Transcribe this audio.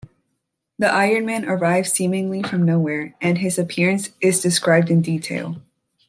The Iron Man arrives seemingly from nowhere, and his appearance is described in detail.